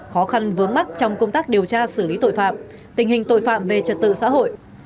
khó khăn vướng mắt trong công tác điều tra xử lý tội phạm tình hình tội phạm về trật tự xã hội